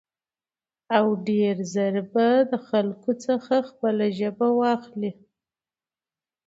او ډېر زر به له خلکو څخه خپله ژبه واخلي.